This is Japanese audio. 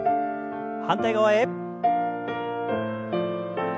反対側へ。